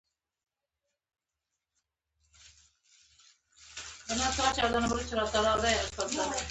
هغه کار اوکړه کنه !